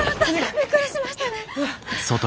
びっくりしましたね！